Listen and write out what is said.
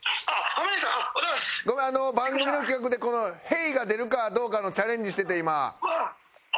番組の企画で「Ｈｅｙ」が出るかどうかのチャレンジしてて今。